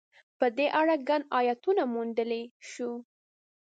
په دې اړه ګڼ ایتونه موندلای شو.